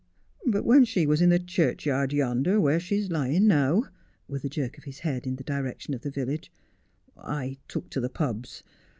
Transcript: But when she was in the churchyard yonder, where she's lying now,' with a jerk of his head in the direction of the village, 'I took to the pubs.